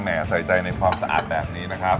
ไม่ต้องเสียใจในความสะอาดแบบนี้นะครับ